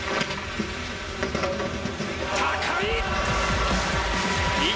高い！